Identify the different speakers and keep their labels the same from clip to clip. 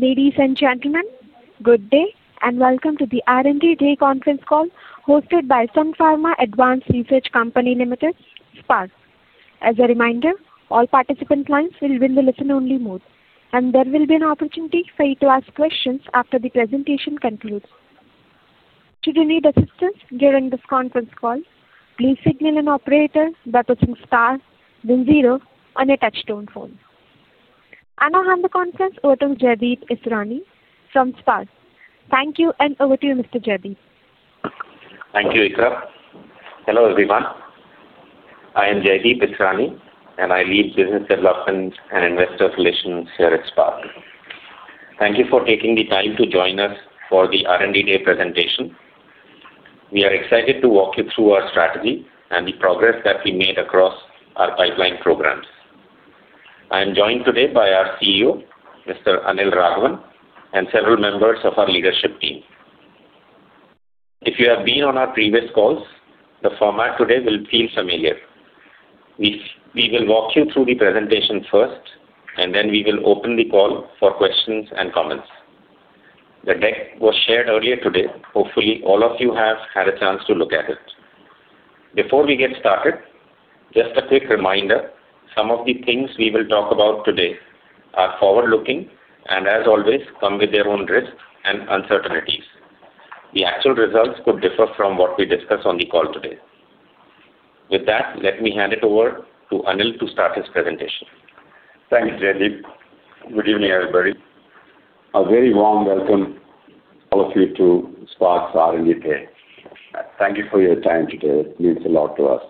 Speaker 1: Ladies and gentlemen, good day and welcome to the R&D Day Conference Call hosted by Sun Pharma Advanced Research Company Limited, SPARC. As a reminder, all participant lines will be in the listen-only mode, and there will be an opportunity for you to ask questions after the presentation concludes. Should you need assistance during this conference call, please signal an operator by pressing star, then zero, and a touch-tone phone. And I'll hand the conference over to Jaydeep Israni from SPARC. Thank you, and over to you, Mr. Jaydeep.
Speaker 2: Thank you, Ikra. Hello, everyone. I am Jaydeep Israni, and I lead business development and investor relations here at SPARC. Thank you for taking the time to join us for the R&D Day presentation. We are excited to walk you through our strategy and the progress that we made across our pipeline programs. I am joined today by our CEO, Mr. Anil Raghavan, and several members of our leadership team. If you have been on our previous calls, the format today will feel familiar. We will walk you through the presentation first, and then we will open the call for questions and comments. The deck was shared earlier today. Hopefully, all of you have had a chance to look at it. Before we get started, just a quick reminder: some of the things we will talk about today are forward-looking and, as always, come with their own risks and uncertainties. The actual results could differ from what we discuss on the call today. With that, let me hand it over to Anil to start his presentation.
Speaker 3: Thanks, Jaydeep. Good evening, everybody. A very warm welcome to all of you to SPARC's R&D Day. Thank you for your time today. It means a lot to us.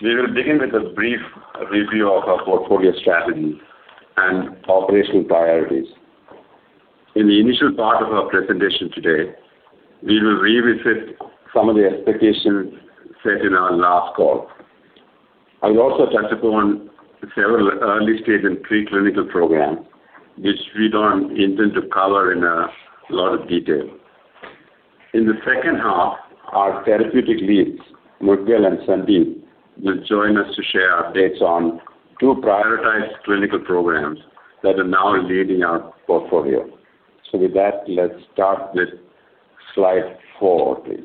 Speaker 3: We will begin with a brief review of our portfolio strategy and operational priorities. In the initial part of our presentation today, we will revisit some of the expectations set in our last call. I will also touch upon several early-stage and preclinical programs, which we don't intend to cover in a lot of detail. In the second half, our therapeutic leads, Mudgal and Sandeep, will join us to share updates on two prioritized clinical programs that are now leading our portfolio. So with that, let's start with Slide 4, please.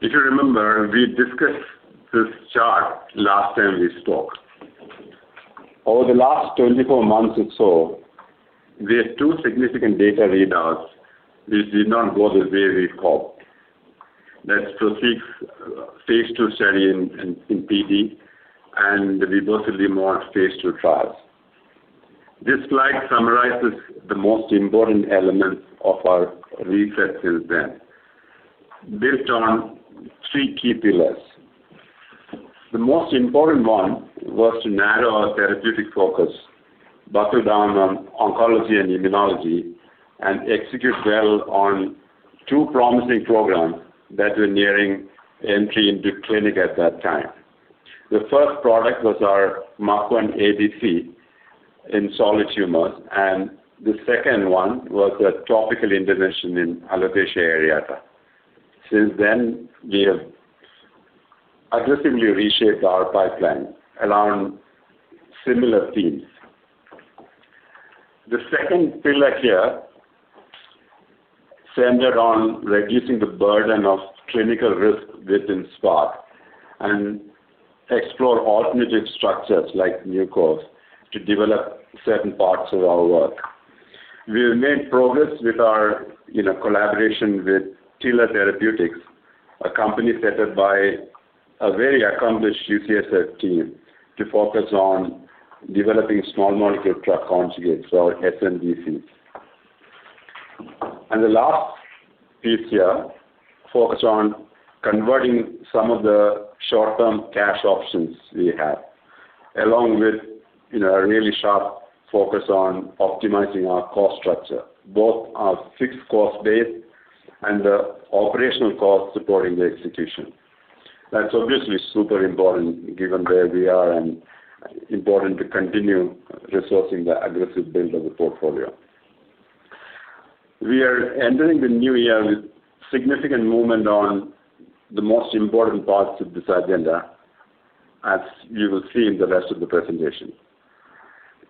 Speaker 3: If you remember, we discussed this chart last time we spoke. Over the last 24 months or so, we had two significant data readouts which did not go the way we hoped. Let's proceed to phase two study in PD, and we go to the more phase two trials. This slide summarizes the most important elements of our research since then, built on three key pillars. The most important one was to narrow our therapeutic focus, buckle down on oncology and immunology, and execute well on two promising programs that were nearing entry into clinic at that time. The first product was our MUC1 ADC in solid tumors, and the second one was a topical intervention in alopecia areata. Since then, we have aggressively reshaped our pipeline around similar themes. The second pillar here centered on reducing the burden of clinical risk within SPARC and exploring alternative structures like NewCos to develop certain parts of our work. We have made progress with our collaboration with Tiller Therapeutics, a company set up by a very accomplished UCSF team to focus on developing small molecule drug conjugates, or SMDCs, and the last piece here focuses on converting some of the short-term cash options we have, along with a really sharp focus on optimizing our cost structure, both our fixed cost base and the operational cost supporting the execution. That's obviously super important given where we are and important to continue resourcing the aggressive build of the portfolio. We are entering the new year with significant movement on the most important parts of this agenda, as you will see in the rest of the presentation.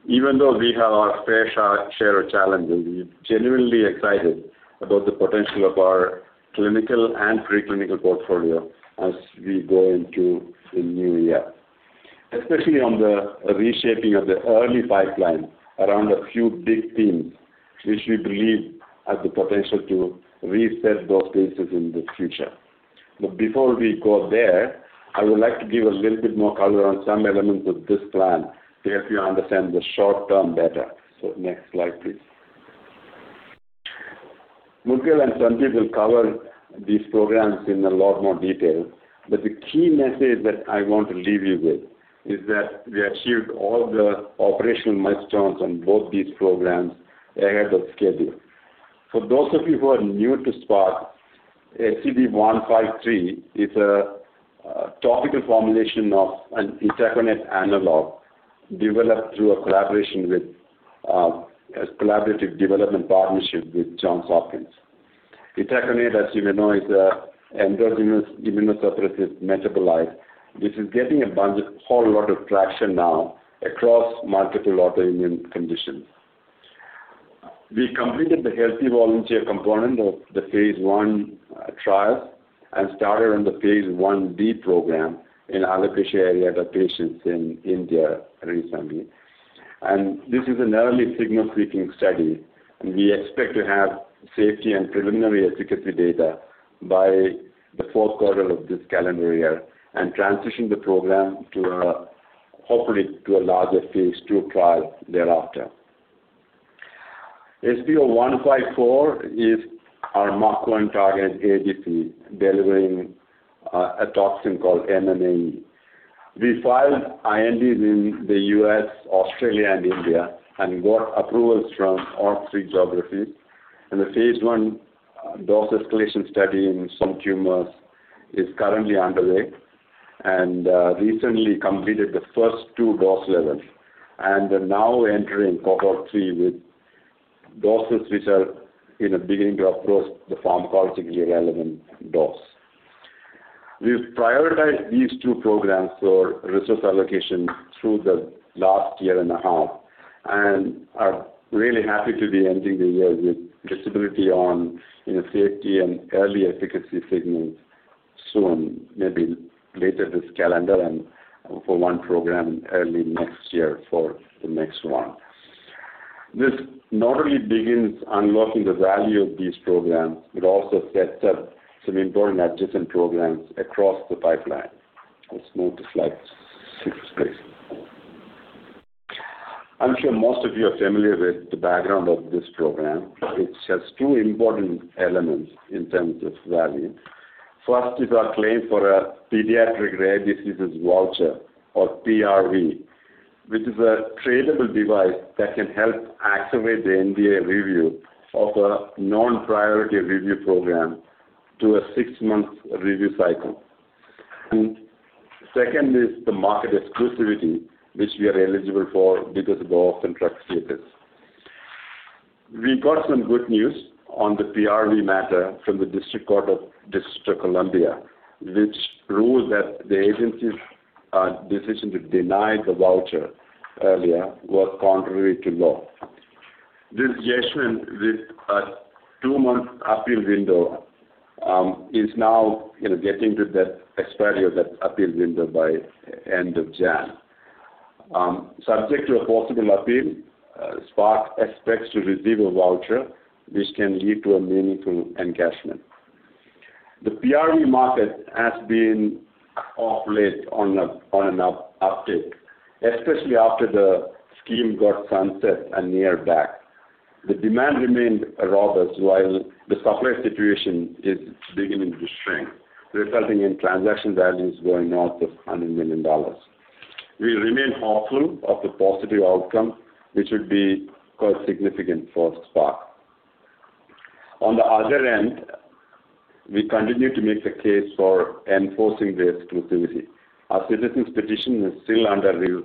Speaker 3: Even though we have our fair share of challenges, we are genuinely excited about the potential of our clinical and preclinical portfolio as we go into the new year, especially on the reshaping of the early pipeline around a few big themes which we believe have the potential to reset those bases in the future. But before we go there, I would like to give a little bit more color on some elements of this plan to help you understand the short term better. So next slide, please. Mudgal and Sandeep will cover these programs in a lot more detail, but the key message that I want to leave you with is that we achieved all the operational milestones on both these programs ahead of schedule. For those of you who are new to SPARC, SCD153 is a topical formulation of an itaconate analog developed through a collaboration with a collaborative development partnership with Johns Hopkins. Itaconate, as you may know, is an endogenous immunosuppressive metabolite, which is getting a whole lot of traction now across multiple autoimmune conditions. We completed the healthy volunteer component of the phase one trials and started on the phase one B program in alopecia areata patients in India recently. And this is an early signal-seeking study, and we expect to have safety and preliminary efficacy data by the fourth quarter of this calendar year and transition the program to, hopefully, a larger phase two trial thereafter. SCO-154 is our MUC1 targeted ADC delivering a toxin called MMAE. We filed INDs in the U.S., Australia, and India and got approvals from all three geographies. The phase one dose escalation study in some tumors is currently underway and recently completed the first two dose levels and are now entering cohort three with doses which are beginning to approach the pharmacologically relevant dose. We've prioritized these two programs for resource allocation through the last year and a half and are really happy to be ending the year with visibility on safety and early efficacy signals soon, maybe later this calendar and for one program early next year for the next one. This not only begins unlocking the value of these programs, but also sets up some important adjacent programs across the pipeline. Let's move to Slide 6, please. I'm sure most of you are familiar with the background of this program. It has two important elements in terms of value. First is our claim for a Pediatric Rare Disease Voucher, or PRV, which is a tradable device that can help activate the NDA review of a non-priority review program to a six-month review cycle. Second is the market exclusivity, which we are eligible for because of our contractual status. We got some good news on the PRV matter from the District Court of District of Columbia, which ruled that the agency's decision to deny the voucher earlier was contrary to law. This judgment, with a two-month appeal window, is now getting to that expiry of that appeal window by the end of January. Subject to a possible appeal, SPARC expects to receive a voucher, which can lead to a meaningful encashment. The PRV market has been of late on an uptick, especially after the scheme got sunset and brought back. The demand remained robust, while the supply situation is beginning to shrink, resulting in transaction values going north of $100 million. We remain hopeful of the positive outcome, which would be quite significant for SPARC. On the other end, we continue to make the case for enforcing the exclusivity. Our citizens' petition is still under review,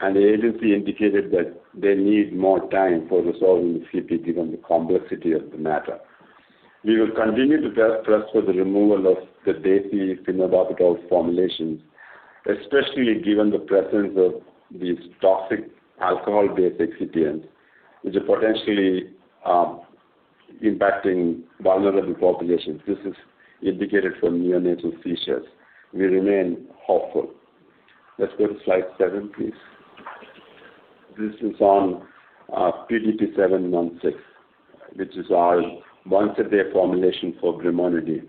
Speaker 3: and the agency indicated that they need more time for resolving the issue given the complexity of the matter. We will continue to press for the removal of the diazepam phenobarbital formulations, especially given the presence of these toxic alcohol-based excipients, which are potentially impacting vulnerable populations. This is indicated for neonatal seizures. We remain hopeful. Let's go to Slide 7, please. This is on PDT716, which is our once-a-day formulation for brimonidine.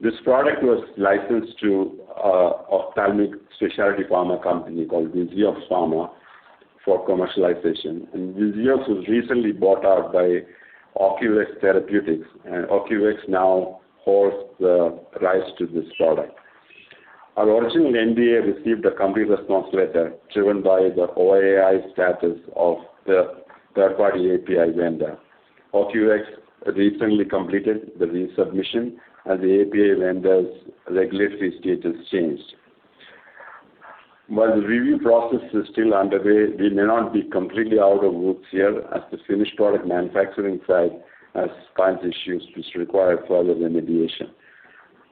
Speaker 3: This product was licensed to an ophthalmic specialty pharma company called Visiox Pharma for commercialization. Visiox was recently bought out by Ocuvex Therapeutics, and Ocuvex now holds the rights to this product. Our original NDA received a complete response letter driven by the OAI status of the third-party API vendor. Ocuvex recently completed the resubmission, and the API vendor's regulatory status changed. While the review process is still underway, we may not be completely out of the woods here as the finished product manufacturing side has facility issues which require further remediation.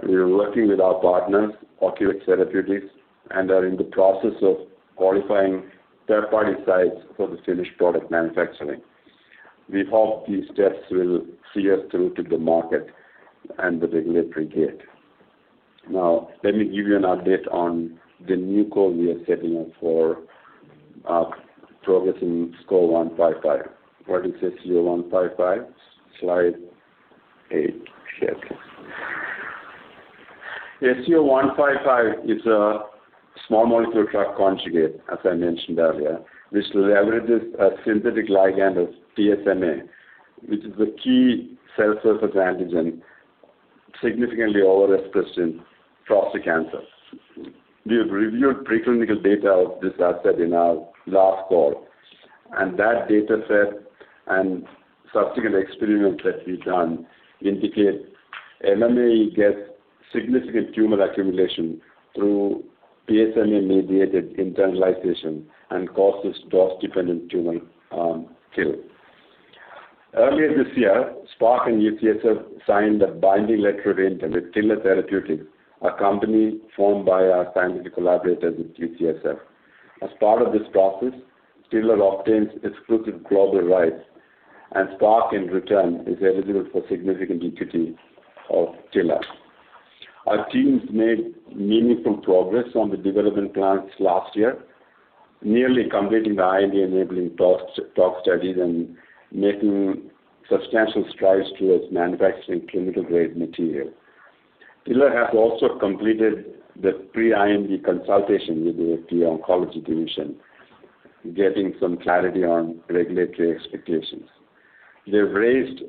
Speaker 3: We are working with our partners, Ocuvex Therapeutics, and are in the process of qualifying third-party sites for the finished product manufacturing. We hope these steps will see us through to the market and the regulatory gate. Now, let me give you an update on the new co we are setting up for progressing SCO-155. What is SCO-155? Slide 8. Yes. SCO-155 is a small molecule drug conjugate, as I mentioned earlier, which leverages a synthetic ligand of PSMA, which is a key cell surface antigen significantly overexpressed in prostate cancer. We have reviewed preclinical data of this asset in our last call, and that data set and subsequent experiments that we've done indicate MMAE gets significant tumor accumulation through PSMA-mediated internalization and causes dose-dependent tumor kill. Earlier this year, SPARC and UCSF signed a binding letter of intent with Tiller Therapeutics, a company formed by our scientific collaborators at UCSF. As part of this process, Tiller obtains exclusive global rights, and SPARC, in return, is eligible for significant equity of Tiller. Our teams made meaningful progress on the development plans last year, nearly completing the IND enabling tox studies and making substantial strides towards manufacturing clinical-grade material. Tiller has also completed the pre-IND consultation with the FDA oncology division, getting some clarity on regulatory expectations. They've raised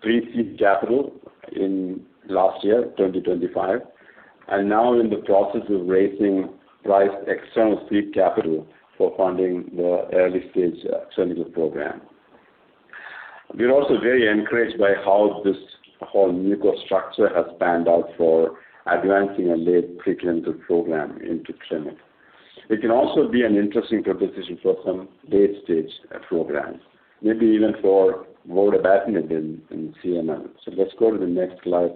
Speaker 3: pre-seed capital in last year, 2025, and now in the process of raising priced external seed capital for funding the early-stage clinical program. We're also very encouraged by how this whole MUC1 structure has panned out for advancing a late preclinical program into clinic. It can also be an interesting proposition for some late-stage programs, maybe even for vodobatinib in CML. So let's go to the next slide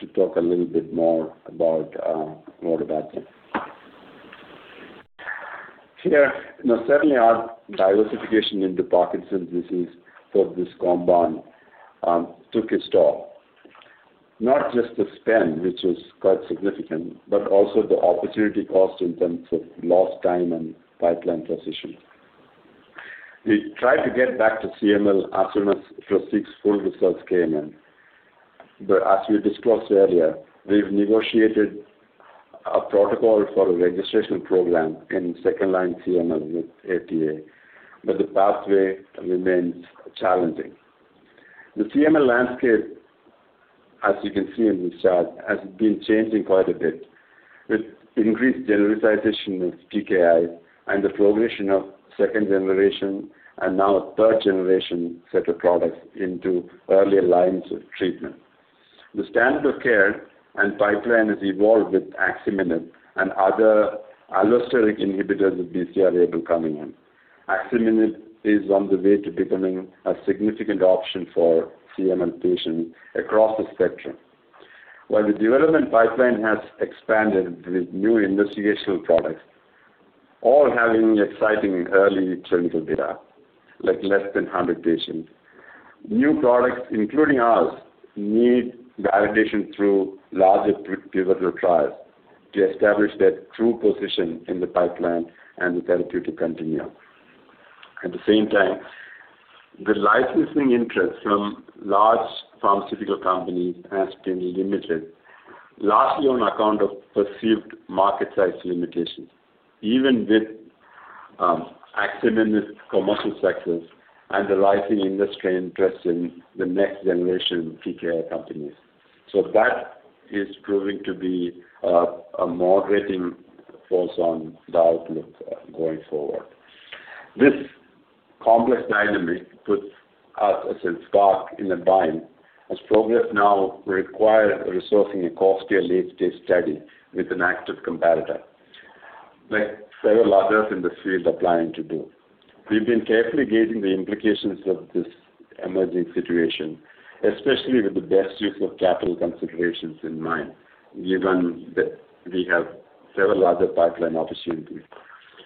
Speaker 3: to talk a little bit more about vodobatinib. Here, now, suddenly, our diversification into Parkinson's disease for this compound took its toll. Not just the spend, which was quite significant, but also the opportunity cost in terms of lost time and pipeline position. We tried to get back to CML as soon as prospects for full results came in. But as we disclosed earlier, we've negotiated a protocol for a registration program in second-line CML with FDA, but the pathway remains challenging. The CML landscape, as you can see in this chart, has been changing quite a bit with increased generalization of TKI and the progression of second-generation and now third-generation set of products into earlier lines of treatment. The standard of care and pipeline has evolved with Asciminib and other allosteric inhibitors of BCR-ABL coming in. Asciminib is on the way to becoming a significant option for CML patients across the spectrum. While the development pipeline has expanded with new investigational products, all having exciting early clinical data, like less than 100 patients, new products, including ours, need validation through larger pivotal trials to establish their true position in the pipeline and the therapeutic continuum. At the same time, the licensing interest from large pharmaceutical companies has been limited, largely on account of perceived market size limitations, even with Asciminib's commercial success and the rising industry interest in the next generation of TKI companies. So that is proving to be a moderating force on the outlook going forward. This complex dynamic puts us, as in SPARC, in a bind as progress now requires resourcing a costly late-stage study with an active competitor, like several others in this field are planning to do. We've been carefully gauging the implications of this emerging situation, especially with the best use of capital considerations in mind, given that we have several other pipeline opportunities.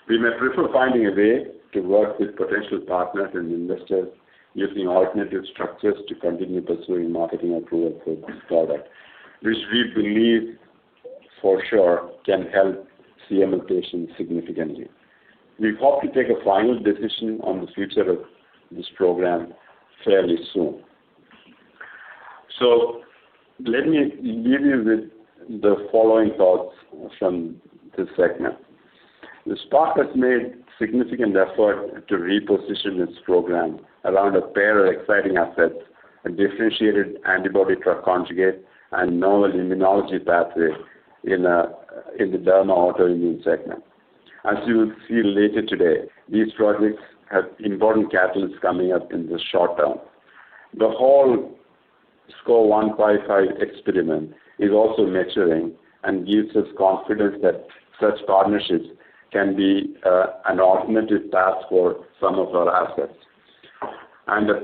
Speaker 3: We may prefer finding a way to work with potential partners and investors using alternative structures to continue pursuing marketing approval for this product, which we believe for sure can help CML patients significantly. We hope to take a final decision on the future of this program fairly soon. So let me leave you with the following thoughts from this segment. SPARC has made significant effort to reposition its program around a pair of exciting assets: a differentiated antibody-drug conjugate and novel immunology pathway in the derma autoimmune segment. As you will see later today, these projects have important catalysts coming up in the short term. The whole SCO-155 experiment is also maturing and gives us confidence that such partnerships can be an alternative path for some of our assets. And a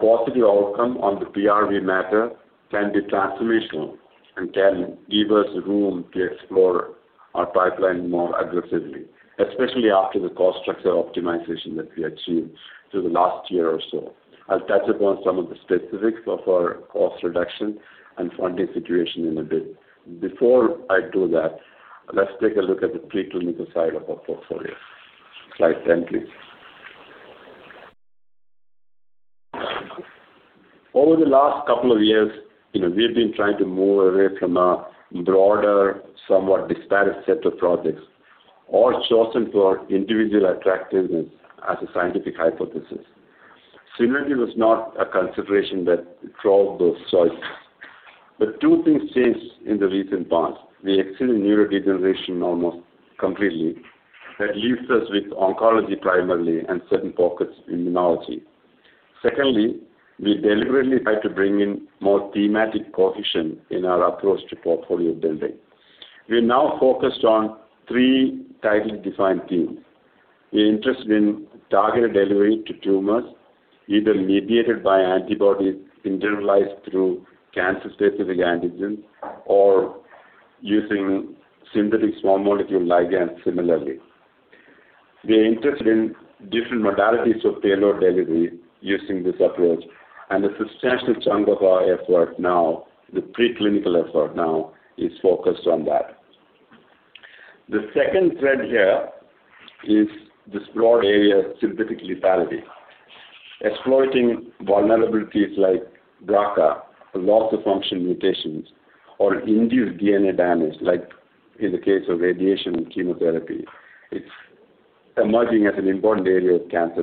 Speaker 3: positive outcome on the PRV matter can be transformational and can give us room to explore our pipeline more aggressively, especially after the cost structure optimization that we achieved through the last year or so. I'll touch upon some of the specifics of our cost reduction and funding situation in a bit. Before I do that, let's take a look at the preclinical side of our portfolio. Slide 10, please. Over the last couple of years, we've been trying to move away from a broader, somewhat disparate set of projects, all chosen for individual attractiveness as a scientific hypothesis. Synergy was not a consideration that drove those choices. But two things changed in the recent past. We exited neurodegeneration almost completely. That leaves us with oncology primarily and certain focus immunology. Secondly, we deliberately tried to bring in more thematic cohesion in our approach to portfolio building. We're now focused on three tightly defined themes. We're interested in targeted delivery to tumors, either mediated by antibodies internalized through cancer-specific antigens or using synthetic small molecule ligands similarly. We're interested in different modalities of payload delivery using this approach, and a substantial chunk of our effort now, the preclinical effort now, is focused on that. The second thread here is this broad area of synthetic lethality, exploiting vulnerabilities like BRCA, loss of function mutations, or induced DNA damage, like in the case of radiation and chemotherapy. It's emerging as an important area of cancer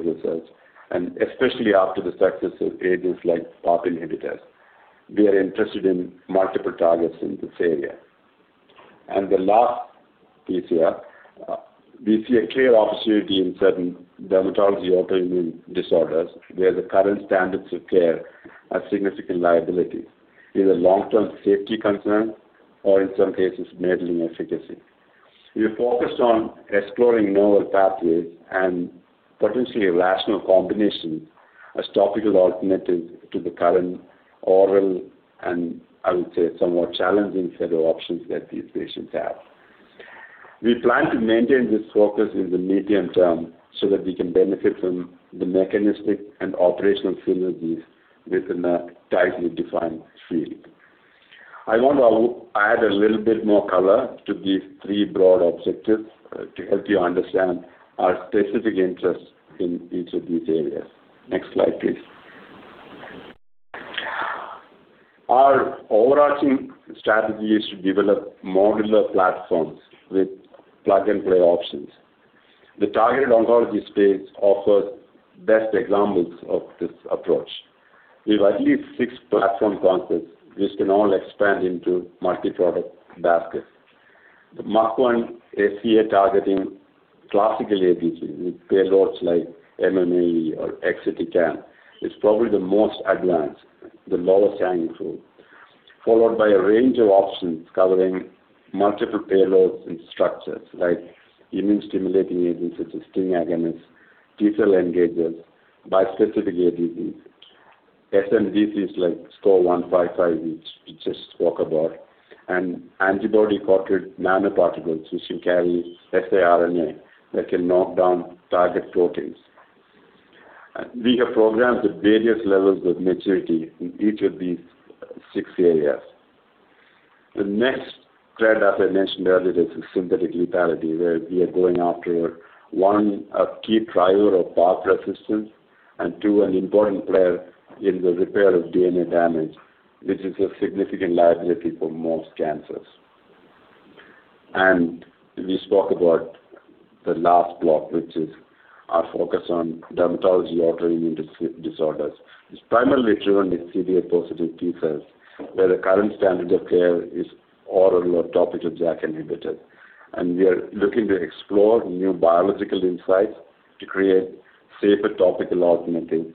Speaker 3: research, and especially after the success of agents like PARP inhibitors. We are interested in multiple targets in this area. And the last piece here, we see a clear opportunity in certain dermatology autoimmune disorders where the current standards of care are significant liabilities, either long-term safety concerns or, in some cases, middling efficacy. We're focused on exploring novel pathways and potentially rational combinations as topical alternatives to the current oral and, I would say, somewhat challenging set of options that these patients have. We plan to maintain this focus in the medium term so that we can benefit from the mechanistic and operational synergies within a tightly defined field. I want to add a little bit more color to these three broad objectives to help you understand our specific interests in each of these areas. Next slide, please. Our overarching strategy is to develop modular platforms with plug-and-play options. The targeted oncology space offers best examples of this approach. We have at least six platform concepts which can all expand into multi-product baskets. The MUC1 ADC targeting classical Ag with payloads like MMAE or Exatecan is probably the most advanced, the lowest hanging fruit, followed by a range of options covering multiple payloads and structures like immune-stimulating agents such as STING agonists, T-cell engagers, bispecific Ags, SMDCs like SCO-155, which we just spoke about, and antibody-correlated nanoparticles which can carry siRNA that can knock down target proteins. We have programs at various levels of maturity in each of these six areas. The next thread, as I mentioned earlier, is synthetic lethality, where we are going after one, a key driver of PARP resistance, and two, an important player in the repair of DNA damage, which is a significant liability for most cancers, and we spoke about the last block, which is our focus on dermatology autoimmune disorders. It's primarily driven with CD8-positive T-cells, where the current standard of care is oral or topical JAK inhibitors. And we are looking to explore new biological insights to create safer topical alternatives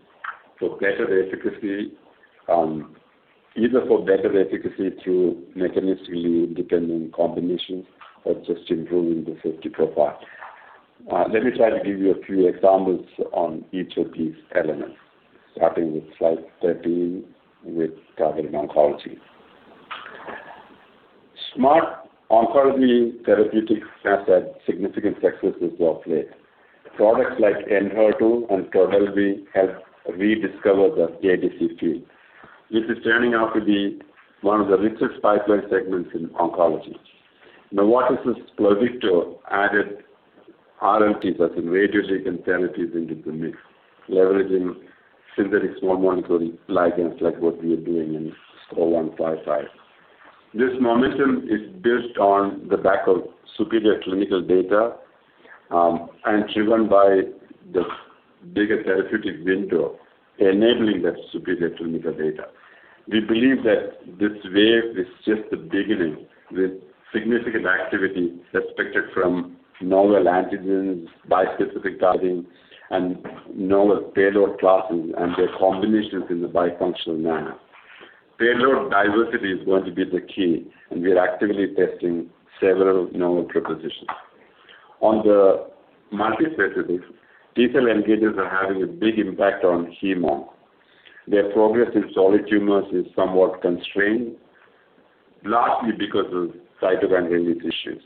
Speaker 3: for better efficacy, either for better efficacy through mechanistically independent combinations or just improving the safety profile. Let me try to give you a few examples on each of these elements, starting with Slide 13 with targeted oncology. Targeted oncology therapeutics has had significant successes of late. Products like Enhertu and Trodelvy help rediscover the ADC field, which is turning out to be one of the richest pipeline segments in oncology. Novartis's Pluvicto added RLTs, as in radioligand therapy, into the mix, leveraging synthetic small molecule ligands like what we are doing in SCO-155. This momentum is built on the back of superior clinical data and driven by the bigger therapeutic window enabling that superior clinical data. We believe that this wave is just the beginning with significant activity expected from novel antigens, bispecific guiding, and novel payload classes and their combinations in the bifunctional manner. Payload diversity is going to be the key, and we are actively testing several novel propositions. On the multi-specific, T-cell engagers are having a big impact on heme. Their progress in solid tumors is somewhat constrained, largely because of cytokine-related issues.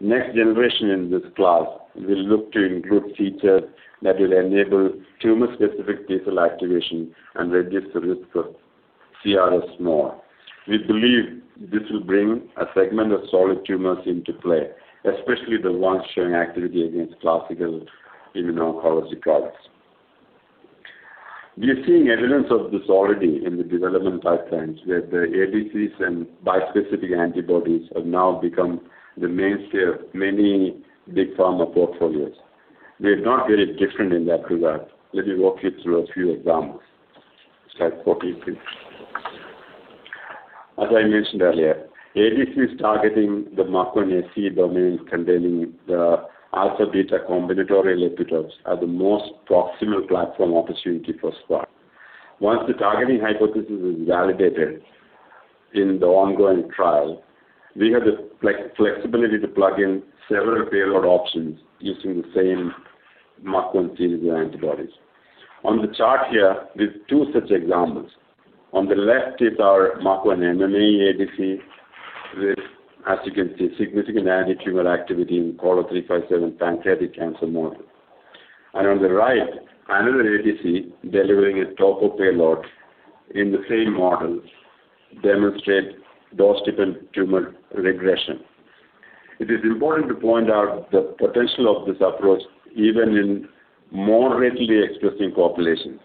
Speaker 3: Next generation in this class will look to include features that will enable tumor-specific T-cell activation and reduce the risk of CRS more. We believe this will bring a segment of solid tumors into play, especially the ones showing activity against classical immuno-oncology products. We are seeing evidence of this already in the development pipelines where the ADCs and bispecific antibodies have now become the mainstay of many big pharma portfolios. They're not very different in that regard. Let me walk you through a few examples. Slide 14, please. As I mentioned earlier, ADCs targeting the MUC1 SEA domain containing the alpha-beta combinatorial epitopes are the most proximal platform opportunity for SPARC. Once the targeting hypothesis is validated in the ongoing trial, we have the flexibility to plug in several payload options using the same MUC1 series of antibodies. On the chart here, we have two such examples. On the left is our MUC1 MMAE ADC with, as you can see, significant antitumor activity in COLO357 pancreatic cancer model. And on the right, another ADC delivering a topo payload in the same model demonstrates dose-dependent tumor regression. It is important to point out the potential of this approach even in moderately expressing populations.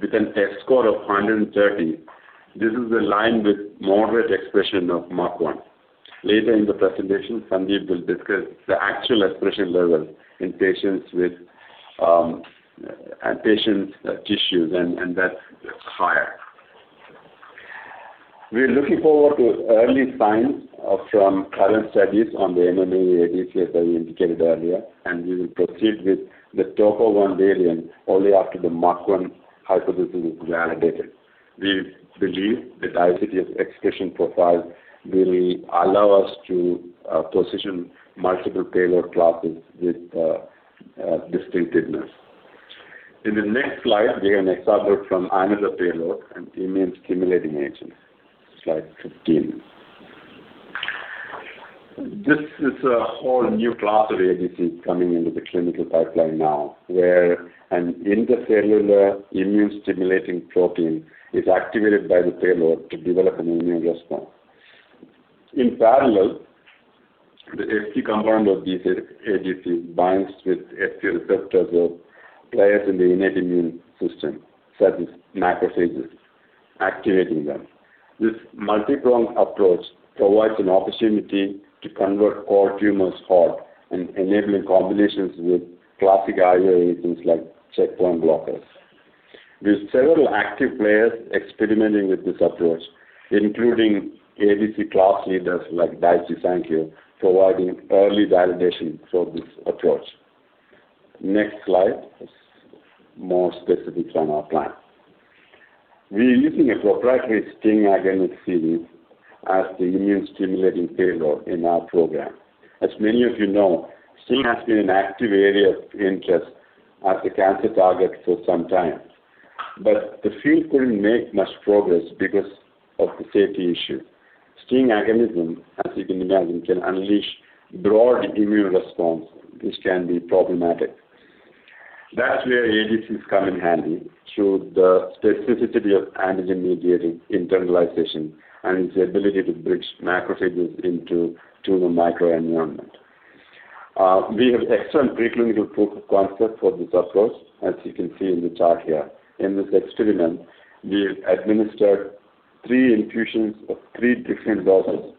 Speaker 3: With an H-score of 130, this is aligned with moderate expression of MUC1. Later in the presentation, Sandeep will discuss the actual expression level in patients' tissues, and that's higher. We're looking forward to early signs from current studies on the MMAE ADCs that we indicated earlier, and we will proceed with the topo 1 variant only after the MUC1 hypothesis is validated. We believe the density of expression profile will allow us to position multiple payload classes with distinctiveness. In the next slide, we have an example from another payload, an immune-stimulating agent. Slide 15. This is a whole new class of ADCs coming into the clinical pipeline now, where an intracellular immune-stimulating protein is activated by the payload to develop an immune response. In parallel, the Fc compound of these ADCs binds with Fc receptors of cells in the innate immune system, such as macrophages, activating them. This multi-pronged approach provides an opportunity to convert cold tumors hot and enabling combinations with classic IO agents like checkpoint blockers. We have several active players experimenting with this approach, including ADC class leaders like Daiichi Sankyo, providing early validation for this approach. Next slide. More specifics on our plan. We're using a proprietary STING agonist series as the immune-stimulating payload in our program. As many of you know, STING has been an active area of interest as a cancer target for some time. But the field couldn't make much progress because of the safety issue. STING agonism, as you can imagine, can unleash broad immune response, which can be problematic. That's where ADCs come in handy through the specificity of antigen-mediated internalization and its ability to bring macrophages into tumor microenvironment. We have excellent preclinical concepts for this approach, as you can see in the chart here. In this experiment, we've administered three infusions of three different doses: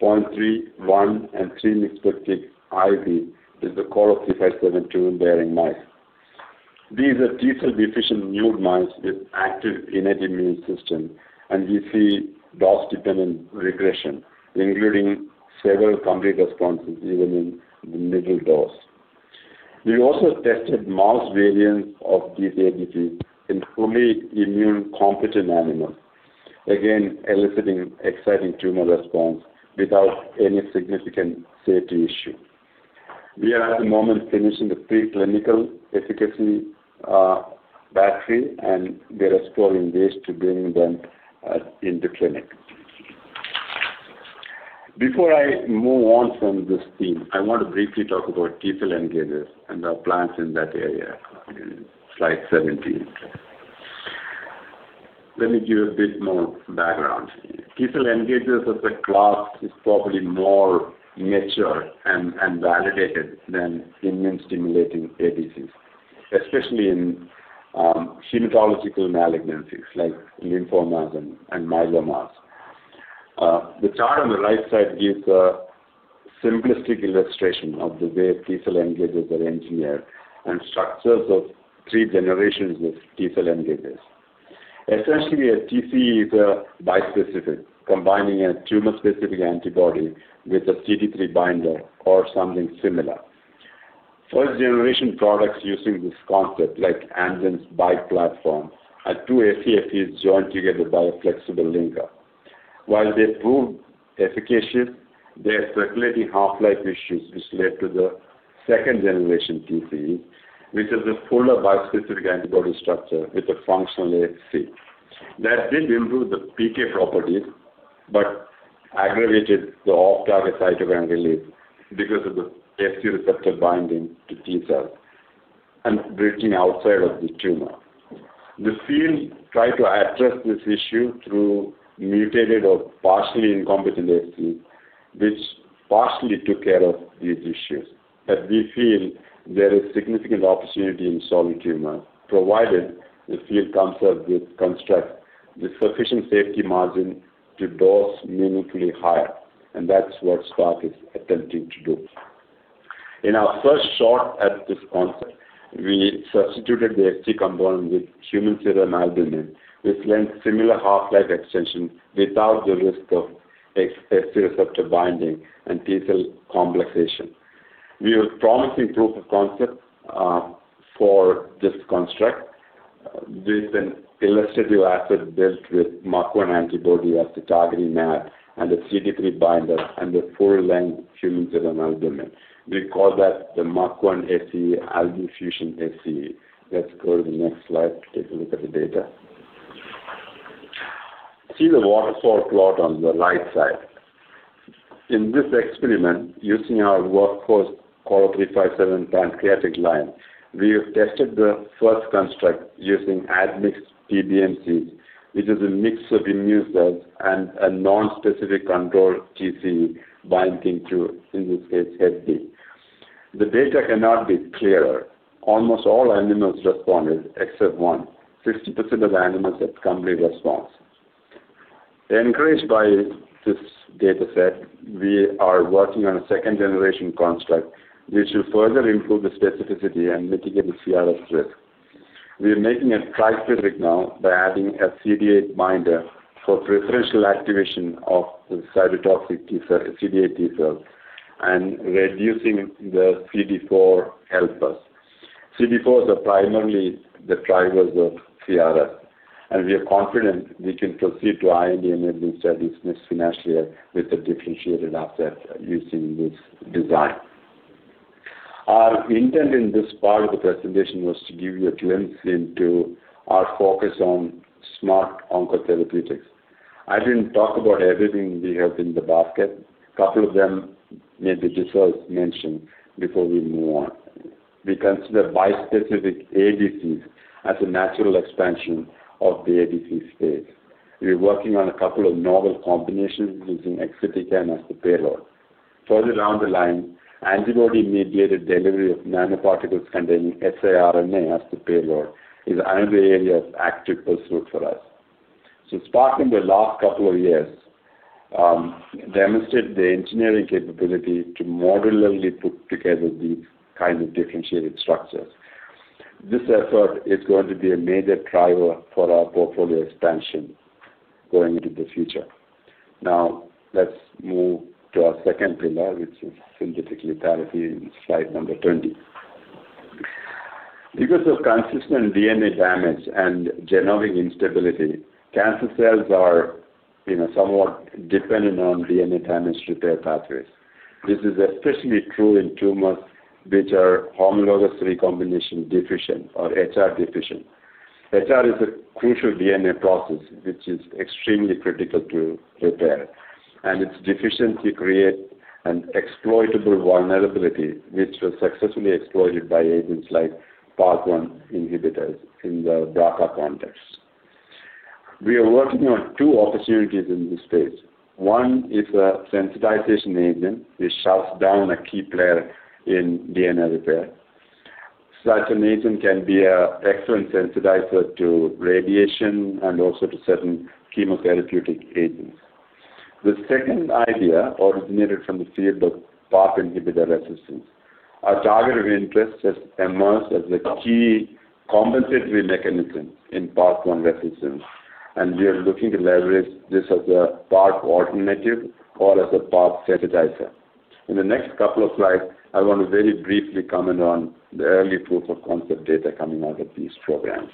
Speaker 3: 0.3, 1, and 3 mg/kg IV with the COLO357 tumor-bearing mice. These are T-cell-deficient nude mice with active innate immune system, and we see dose-dependent regression, including several complete responses even in the middle dose. We also tested mouse variants of these ADCs in fully immune-competent animals, again eliciting exciting tumor response without any significant safety issue. We are at the moment finishing the preclinical efficacy battery, and we are exploring ways to bring them into clinic. Before I move on from this theme, I want to briefly talk about T-cell engagers and our plans in that area. Slide 17. Let me give a bit more background. T-cell engagers as a class is probably more mature and validated than immune-stimulating ADCs, especially in hematological malignancies like lymphomas and myelomas. The chart on the right side gives a simplistic illustration of the way T-cell engagers are engineered and structures of three generations of T-cell engagers. Essentially, a TCE is a bispecific combining a tumor-specific antibody with a CD3 binder or something similar. First-generation products using this concept, like Amgen's BiTE platform, are two scFvs joined together by a flexible linker. While they proved efficacious, they had circulating half-life issues, which led to the second-generation TCEs, which has a fuller bispecific antibody structure with a functional Fc. That did improve the PK properties but aggravated the off-target cytokine release because of the Fc receptor binding to T-cells and bridging outside of the tumor. The field tried to address this issue through mutated or partially incompetent Fcs, which partially took care of these issues. But we feel there is significant opportunity in solid tumors, provided the field comes up with constructs with sufficient safety margin to dose meaningfully higher. And that's what SPARC is attempting to do. In our first shot at this concept, we substituted the SEA component with human serum albumin, which lends similar half-life extension without the risk of SEA receptor binding and T-cell complexation. We have a promising proof of concept for this construct with an illustrative asset built with MUC1 antibody as the targeting moiety and a CD3 binder and a full-length human serum albumin. We call that the MUC1 SEA-CD3 fusion HSA. Let's go to the next slide to take a look at the data. See the waterfall plot on the right side. In this experiment, using our workhorse COLO357 pancreatic line, we have tested the first construct using admixed PBMCs, which is a mix of immune cells and a non-specific control TCE binding to, in this case, Hep B. The data cannot be clearer. Almost all animals responded, except one. 60% of the animals had complete response. Encouraged by this dataset, we are working on a second-generation construct which will further improve the specificity and mitigate the CRS risk. We are making a tri-specific now by adding a CD8 binder for preferential activation of the cytotoxic CD8 T-cells and reducing the CD4 helpers. CD4s are primarily the drivers of CRS, and we are confident we can proceed to iND enabling studies next financial year with a differentiated asset using this design. Our intent in this part of the presentation was to give you a glimpse into our focus on smart oncotherapeutics. I didn't talk about everything we have in the basket. A couple of them may be deserved mention before we move on. We consider bispecific ADCs as a natural expansion of the ADC space. We are working on a couple of novel combinations using Exatecan as the payload. Further down the line, antibody-mediated delivery of nanoparticles containing siRNA as the payload is another area of active pursuit for us. So SPARC, in the last couple of years, demonstrated the engineering capability to modularly put together these kinds of differentiated structures. This effort is going to be a major driver for our portfolio expansion going into the future. Now, let's move to our second pillar, which is synthetic lethality in slide number 20. Because of consistent DNA damage and genomic instability, cancer cells are somewhat dependent on DNA damage repair pathways. This is especially true in tumors which are homologous recombination deficient or HR deficient. HR is a crucial DNA process which is extremely critical to repair, and its deficiency creates an exploitable vulnerability which was successfully exploited by agents like PARP1 inhibitors in the BRCA context. We are working on two opportunities in this space. One is a sensitization agent which shuts down a key player in DNA repair. Such an agent can be an excellent sensitizer to radiation and also to certain chemotherapeutic agents. The second idea originated from the field of PARP inhibitor resistance. Our target of interest has emerged as a key compensatory mechanism in PARP1 resistance, and we are looking to leverage this as a PARP alternative or as a PARP sensitizer. In the next couple of slides, I want to very briefly comment on the early proof of concept data coming out of these programs.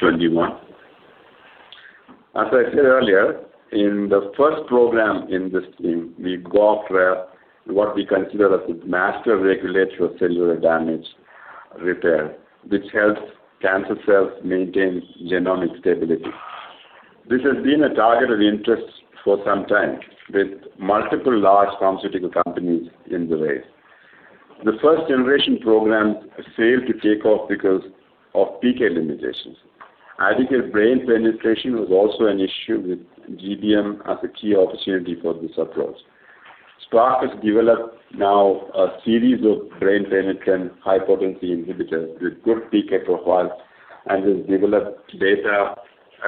Speaker 3: 21. As I said earlier, in the first program in this theme, we targeted what we consider as the master regulator of cellular damage repair, which helps cancer cells maintain genomic stability. This has been a target of interest for some time with multiple large pharmaceutical companies in the race. The first-generation programs failed to take off because of PK limitations. Adequate brain penetration was also an issue with GBM as a key opportunity for this approach. SPARC has developed now a series of brain penetrant high-potency inhibitors with good PK profiles and has developed data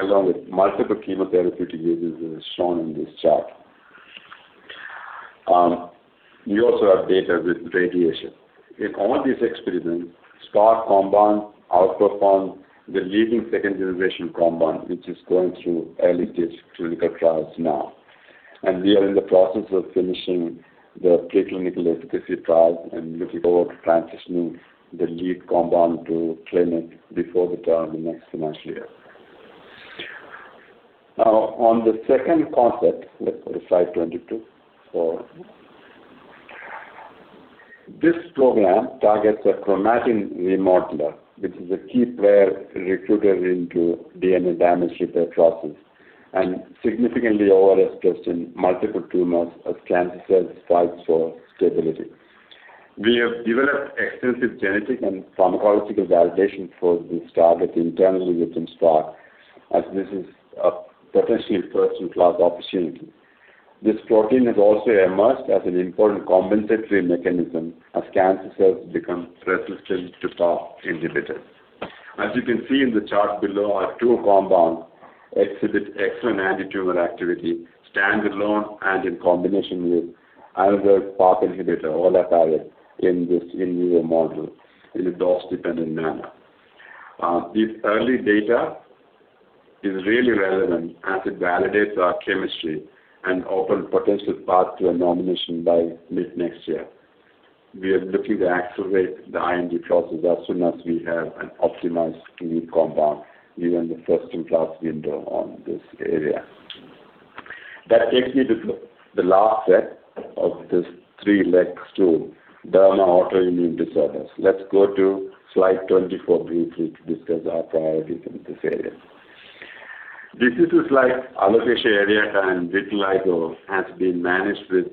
Speaker 3: along with multiple chemotherapeutic uses as shown in this chart. We also have data with radiation. In all these experiments, SPARC compound outperformed the leading second-generation compound, which is going through early-stage clinical trials now. And we are in the process of finishing the preclinical efficacy trials and looking forward to transitioning the lead compound to clinic before the term next financial year. Now, on the second concept, let's go to Slide 22. This program targets a chromatin remodeler, which is a key player recruited into DNA damage repair process and significantly over-expressed in multiple tumors as cancer cells fight for stability. We have developed extensive genetic and pharmacological validation for this target internally within SPARC, as this is a potentially first-in-class opportunity. This protein has also emerged as an important compensatory mechanism as cancer cells become resistant to PARP inhibitors. As you can see in the chart below, our two compounds exhibit excellent anti-tumor activity standalone and in combination with another PARP inhibitor, Olaparib, in this in vivo model in a dose-dependent manner. This early data is really relevant as it validates our chemistry and opened a potential path to a nomination by mid next year. We are looking to accelerate the IND process as soon as we have an optimized lead compound, given the first-in-class window on this area. That takes me to the last set of this three-legged stool, derma autoimmune disorders. Let's go to Slide 24 briefly to discuss our priorities in this area. Diseases like alopecia areata and vitiligo has been managed with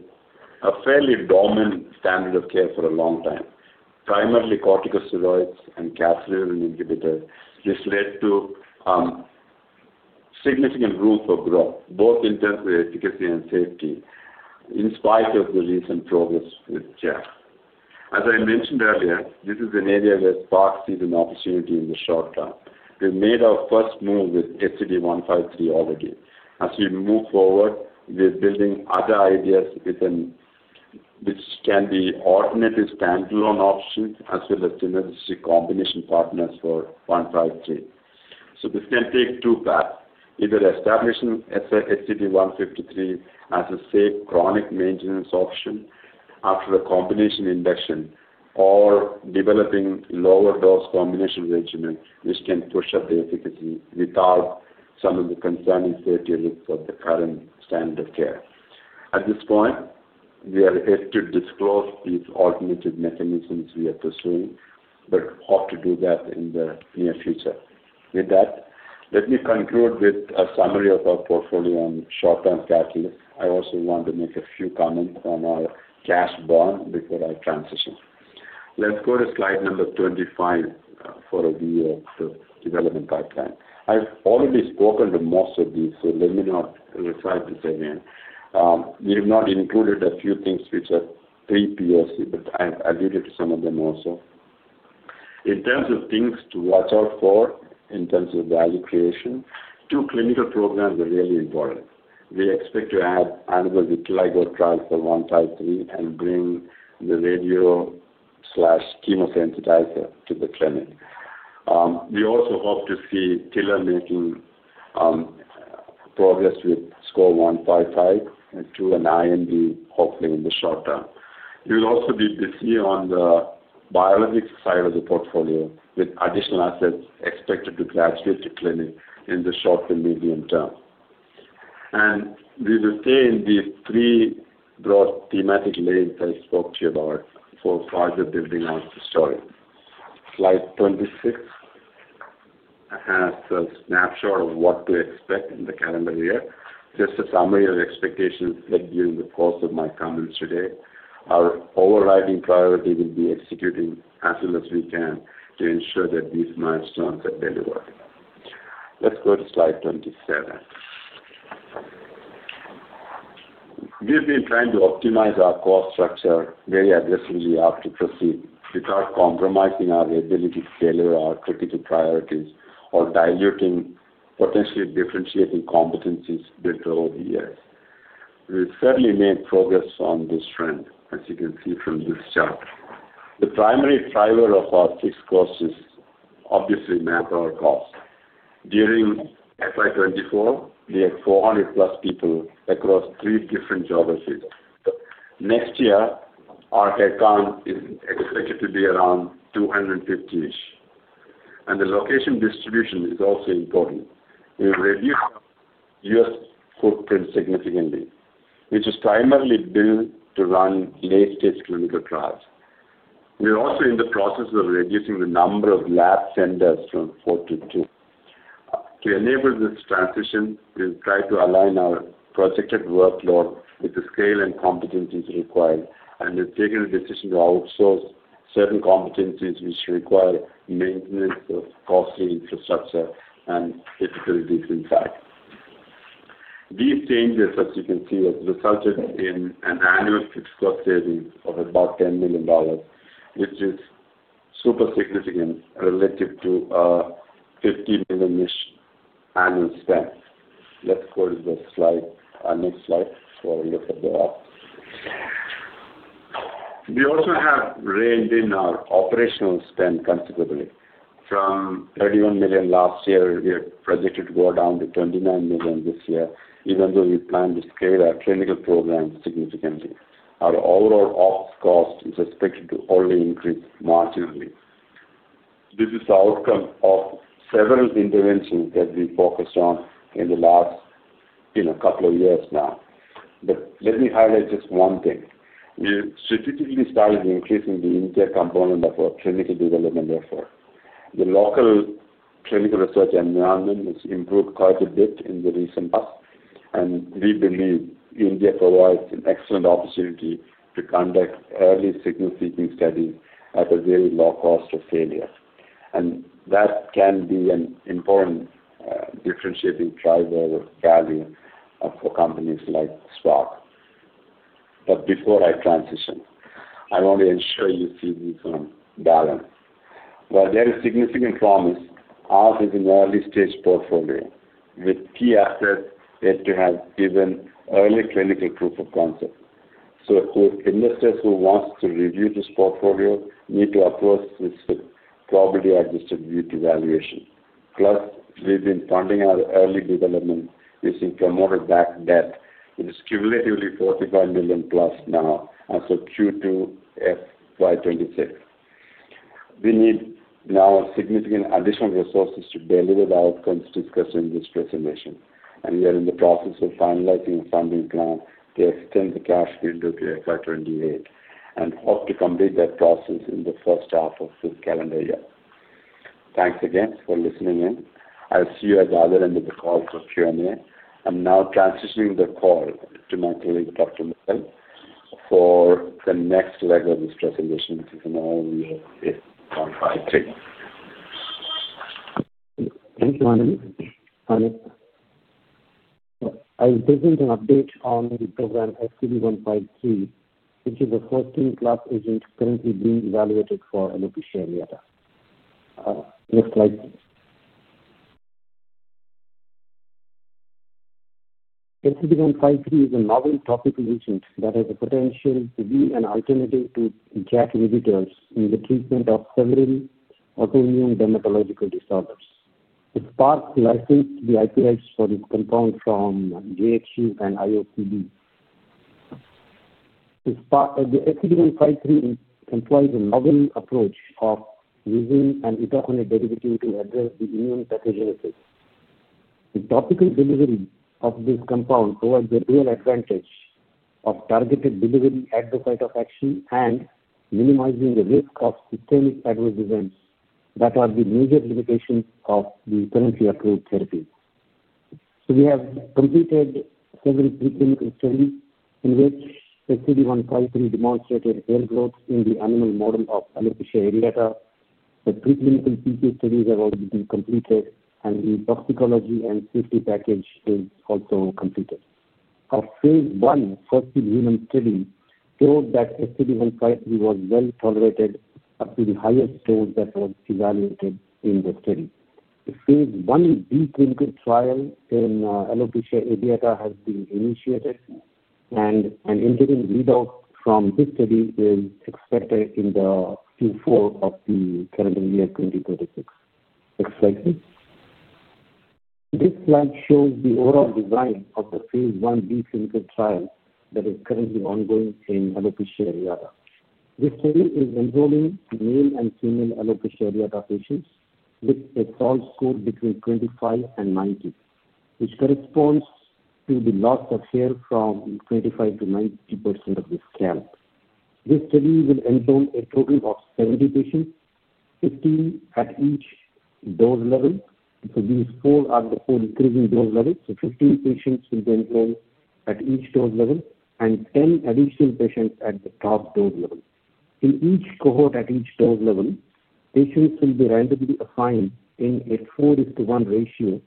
Speaker 3: a fairly dominant standard of care for a long time, primarily corticosteroids and calcineurin inhibitors, which led to significant room for growth, both in terms of efficacy and safety, in spite of the recent progress with JAK. As I mentioned earlier, this is an area where SPARC sees an opportunity in the short term. We've made our first move with SCD153 already. As we move forward, we're building other ideas which can be alternative standalone options as well as synergistic combination partners for 153. So this can take two paths: either establishing SCD153 as a safe chronic maintenance option after a combination induction or developing lower-dose combination regimen, which can push up the efficacy without some of the concerning safety risks of the current standard of care. At this point, we are yet to disclose these alternative mechanisms we are pursuing, but hope to do that in the near future. With that, let me conclude with a summary of our portfolio and short-term catalysts. I also want to make a few comments on our cash burn before I transition. Let's go to Slide 25 for a view of the development pipeline. I've already spoken to most of these, so let me not recite this again. We have not included a few things which are pre-POC, but I've alluded to some of them also. In terms of things to watch out for in terms of value creation, two clinical programs are really important. We expect to add animal vitiligo trials for 153 and bring the radio/chemosensitizer to the clinic. We also hope to see Tiller making progress with SCO-155 to an IND, hopefully in the short term. We will also be busy on the biologic side of the portfolio with additional assets expected to graduate to clinic in the short to medium term. And we will stay in these three broad thematic lanes that I spoke to you about for further building out the story. Slide 26 has a snapshot of what to expect in the calendar year. Just a summary of expectations set during the course of my comments today. Our overriding priority will be executing as soon as we can to ensure that these milestones are delivered. Let's go to Slide 27. We have been trying to optimize our cost structure very aggressively to proceed without compromising our ability to deliver our critical priorities or diluting potentially differentiating competencies built over the years. We've certainly made progress on this trend, as you can see from this chart. The primary driver of our fixed cost is obviously manpower cost. During FY24, we had 400-plus people across three different geographies. Next year, our headcount is expected to be around 250-ish. The location distribution is also important. We've reduced our U.S. footprint significantly, which is primarily built to run late-stage clinical trials. We're also in the process of reducing the number of lab centers from four to two. To enable this transition, we've tried to align our projected workload with the scale and competencies required and have taken a decision to outsource certain competencies which require maintenance of costly infrastructure and difficulties in site. These changes, as you can see, have resulted in an annual fixed cost savings of about $10 million, which is super significant relative to a $50 million-ish annual spend. Let's go to the next slide for a look at that. We also have reined in our operational spend considerably. From $31 million last year, we had projected to go down to $29 million this year, even though we planned to scale our clinical programs significantly. Our overall ops cost is expected to only increase marginally. This is the outcome of several interventions that we focused on in the last couple of years now. But let me highlight just one thing. We have strategically started increasing the India component of our clinical development effort. The local clinical research environment has improved quite a bit in the recent past, and we believe India provides an excellent opportunity to conduct early signal-seeking studies at a very low cost of failure, and that can be an important differentiating driver or value for companies like SPARC, but before I transition, I want to ensure you see these on balance. While there is significant promise, ours is an early-stage portfolio with key assets yet to have even early clinical proof of concept, so investors who want to review this portfolio need to approach this with probability-adjusted VET evaluation. Plus, we've been funding our early development using promoter-backed debt, which is cumulatively $45 million-plus now, also Q2 FY26. We need now significant additional resources to deliver the outcomes discussed in this presentation. We are in the process of finalizing a funding plan to extend the cash window to FY28 and hope to complete that process in the first half of this calendar year. Thanks again for listening in. I'll see you at the other end of the call for Q&A. I'm now transitioning the call to my colleague, Dr. Mudgal, for the next leg of this presentation, which is an IND of 153.
Speaker 4: Thank you, Anil. I will present an update on the program SCD153, which is a first-in-class agent currently being evaluated for alopecia areata. Next slide, please. SCD153 is a novel topical agent that has the potential to be an alternative to JAK inhibitors in the treatment of several autoimmune dermatological disorders. SPARC licensed the IPs for this compound from JHU and IOCD. The SCD153 employs a novel approach of using an itaconate derivative to address the immune pathogenesis. The topical delivery of this compound provides a real advantage of targeted delivery at the site of action and minimizing the risk of systemic adverse events that are the major limitations of the currently approved therapy. So we have completed several preclinical studies in which SCD153 demonstrated hair growth in the animal model of alopecia areata. The preclinical PK studies have already been completed, and the toxicology and safety package is also completed. Our phase one first-in-human study showed that SCD153 was well tolerated up to the highest dose that was evaluated in the study. The phase one clinical trial in alopecia areata has been initiated, and an interim readout from this study is expected in the Q4 of the calendar year 2026. Next slide, please. This slide shows the overall design of the phase one clinical trial that is currently ongoing in alopecia areata. This study is enrolling male and female alopecia areata patients with a SALT score between 25 and 90, which corresponds to the loss of hair from 25% to 90% of the scalp. This study will enroll a total of 70 patients, 15 at each dose level. So these four are the four increasing dose levels. So 15 patients will be enrolled at each dose level and 10 additional patients at the top dose level. In each cohort at each dose level, patients will be randomly assigned in a 4:1 ratio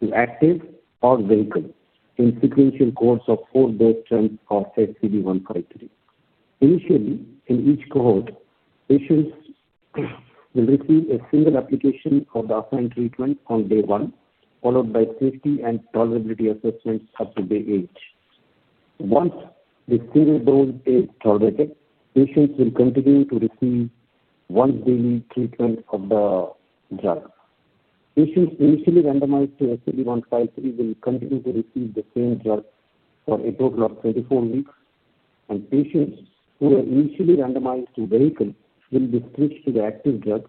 Speaker 4: to active or vehicle in sequential cohorts of four doses of SCD153. Initially, in each cohort, patients will receive a single application of the assigned treatment on day one, followed by safety and tolerability assessments up to day eight. Once the single dose is tolerated, patients will continue to receive once-daily treatment of the drug. Patients initially randomized to SCD153 will continue to receive the same drug for a total of 24 weeks, and patients who were initially randomized to placebo will be switched to the active drug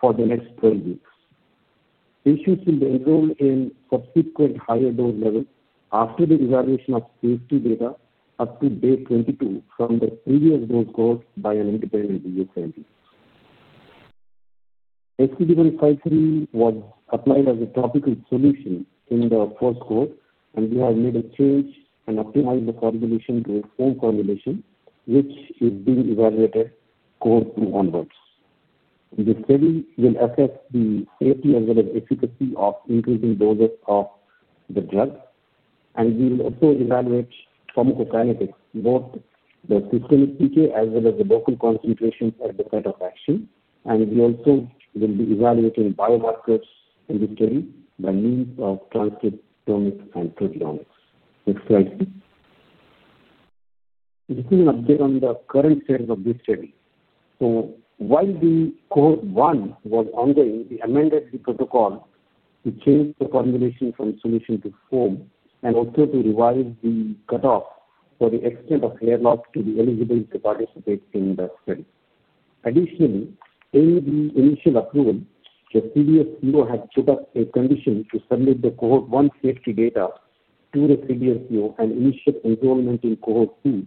Speaker 4: for the next 12 weeks. Patients will be enrolled in subsequent higher dose levels after the evaluation of safety data up to day 22 from the previous dose cohort by an independent safety scientist. SCD153 was applied as a topical solution in the first cohort, and we have made a change and optimized the formulation to a foam formulation, which is being evaluated cohort two onwards. The study will assess the safety as well as efficacy of increasing doses of the drug, and we will also evaluate pharmacokinetics, both the systemic PK as well as the local concentrations at the site of action. We also will be evaluating biomarkers in the study by means of transcriptomics and proteomics. Next slide, please. This is an update on the current status of this study. While the cohort one was ongoing, we amended the protocol to change the formulation from solution to foam and also to revise the cutoff for the extent of hair loss to be eligible to participate in the study. Additionally, in the initial approval, the CDSCO had put up a condition to submit the cohort one safety data to the CDSCO and initial enrollment in cohort two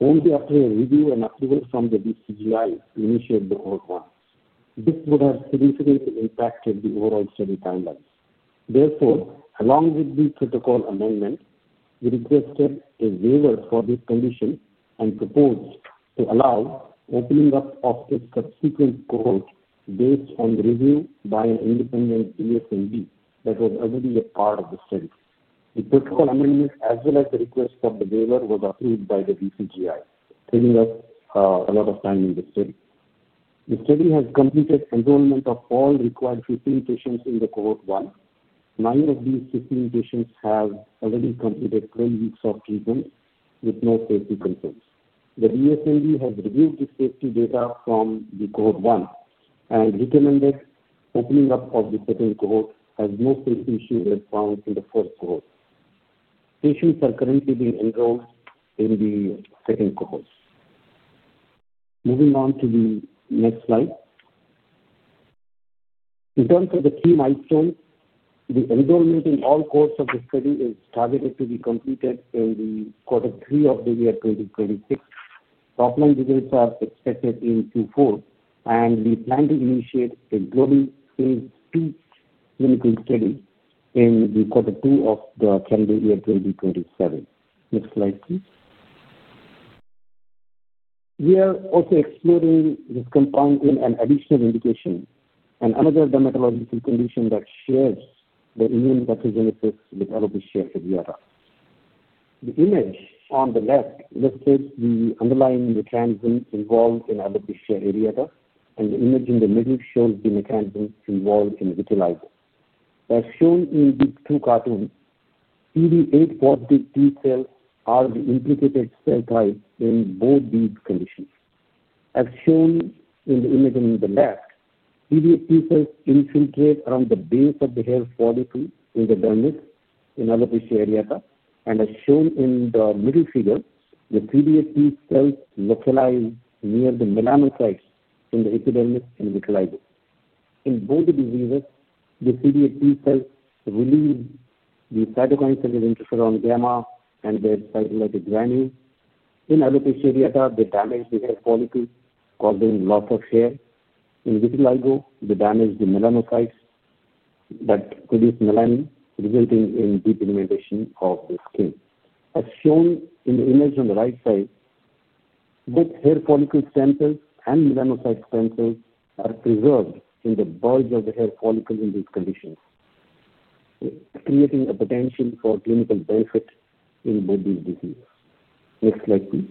Speaker 4: only after a review and approval from the DCGI to initiate the cohort one. This would have significantly impacted the overall study timelines. Therefore, along with the protocol amendment, we requested a waiver for this condition and proposed to allow opening up of a subsequent cohort based on the review by an independent DSMB that was already a part of the study. The protocol amendment, as well as the request for the waiver, was approved by the DCGI, saving us a lot of time in the study. The study has completed enrollment of all required 15 patients in the cohort one. Nine of these 15 patients have already completed 12 weeks of treatment with no safety concerns. The DSMB has reviewed the safety data from the cohort one and recommended opening up of the second cohort as no safety issue was found in the first cohort. Patients are currently being enrolled in the second cohort. Moving on to the next slide. In terms of the key milestones, the enrollment in all cohorts of the study is targeted to be completed in the Q3 of the year 2026. Top-line results are expected in Q4, and we plan to initiate a global phase two clinical study in the Q2 of the calendar year 2027. Next slide, please. We are also exploring this compound in an additional indication, another dermatological condition that shares the immune pathogenesis with alopecia areata. The image on the left lists the underlying mechanisms involved in alopecia areata, and the image in the middle shows the mechanisms involved in vitiligo. As shown in these two cartoons, CD8 positive T cells are the implicated cell types in both these conditions. As shown in the image on the left, CD8 T cells infiltrate around the base of the hair follicle in the dermis in alopecia areata, and as shown in the middle figure, the CD8 T cells localize near the melanocytes in the epidermis in vitiligo. In both the diseases, the CD8 T cells release the cytokine that is interferon gamma and their cytolytic granules. In alopecia areata, they damage the hair follicle causing loss of hair. In vitiligo, they damage the melanocytes that produce melanin, resulting in depigmentation of the skin. As shown in the image on the right side, both hair follicle stem cells and melanocyte stem cells are preserved in the bulge of the hair follicle in these conditions, creating a potential for clinical benefit in both these diseases. Next slide, please.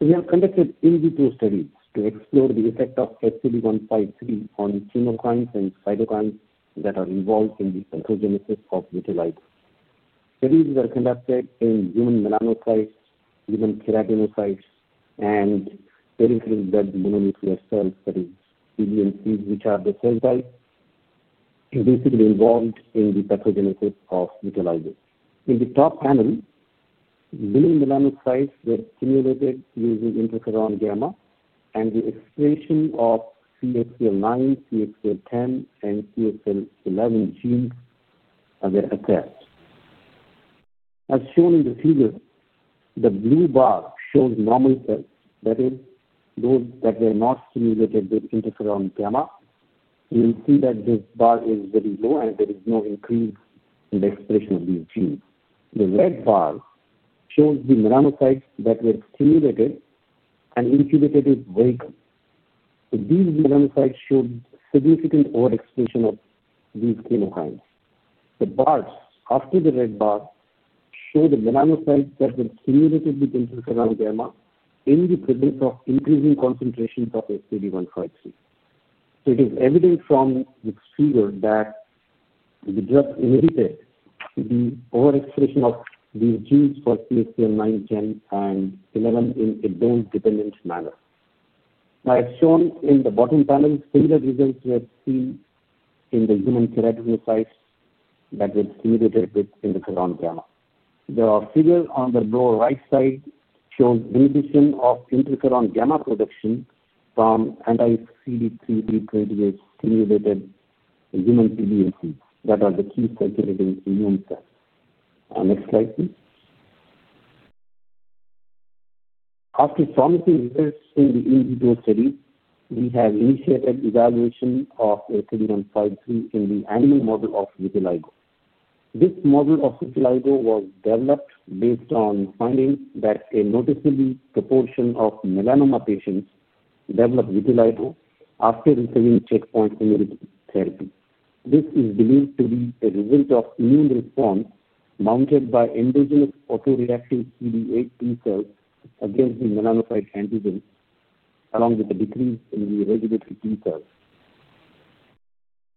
Speaker 4: We have conducted in vivo studies to explore the effect of SCD153 on chemokines and cytokines that are involved in the pathogenesis of vitiligo. Studies were conducted in human melanocytes, human keratinocytes, and peripheral blood mononuclear cells, that is PBMCs, which are the cell types basically involved in the pathogenesis of vitiligo. In the top panel, human melanocytes were stimulated using interferon gamma, and the expression of CXCL9, CXCL10, and CXCL11 genes were assessed. As shown in the figure, the blue bar shows normal cells, that is, those that were not stimulated with interferon gamma. You'll see that this bar is very low, and there is no increase in the expression of these genes. The red bar shows the melanocytes that were stimulated and incubated with vehicle. These melanocytes showed significant overexpression of these chemokines. The bars after the red bar show the melanocytes that were stimulated with interferon gamma in the presence of increasing concentrations of SCD153. So it is evident from this figure that the drug inhibited the overexpression of these genes for CXCL9, CXCL10, and CXCL11 in a dose-dependent manner. As shown in the bottom panel, similar results were seen in the human keratinocytes that were stimulated with interferon gamma. The figure on the lower right side shows inhibition of interferon gamma production from anti-CD3/CD28 stimulated human PBMCs that are the key circulating immune cells. Next slide, please. After promising results in the in vivo studies, we have initiated evaluation of SCD153 in the animal model of vitiligo. This model of vitiligo was developed based on findings that a noticeable proportion of melanoma patients developed vitiligo after receiving checkpoint immunotherapy. This is believed to be a result of immune response mounted by endogenous autoreactive CD8 T cells against the melanocyte antigen, along with a decrease in the regulatory T cells,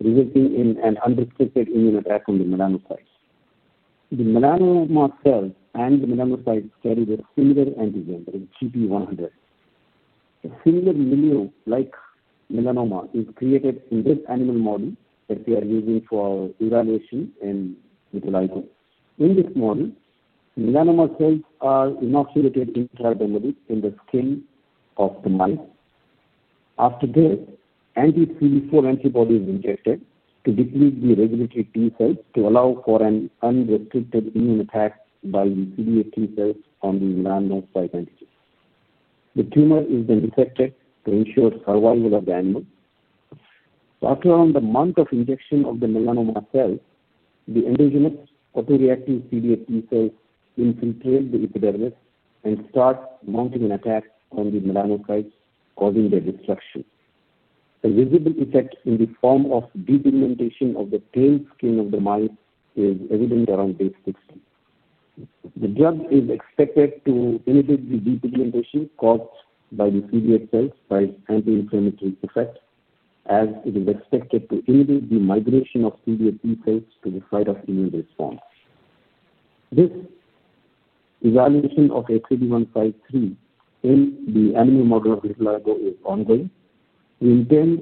Speaker 4: resulting in an unrestricted immune attack on the melanocytes. The melanoma cells and the melanocytes carry the similar antigen, that is GP100. A similar vitiligo-like melanoma is created in this animal model that we are using for evaluation in vitiligo. In this model, melanoma cells are inoculated intradermally in the skin of the mice. After this, anti-CD4 antibody is injected to deplete the regulatory T cells to allow for an unrestricted immune attack by the CD8 T cells on the melanocyte antigen. The tumor is then resected to ensure survival of the animal. After around a month of injection of the melanoma cells, the endogenous autoreactive CD8 T cells infiltrate the epidermis and start mounting an attack on the melanocytes, causing their destruction. A visible effect in the form of depigmentation of the tail skin of the mice is evident around day 16. The drug is expected to inhibit the depigmentation caused by the CD8 cells by its anti-inflammatory effect, as it is expected to inhibit the migration of CD8 T cells to the site of immune response. This evaluation of SCD153 in the animal model of vitiligo is ongoing. We intend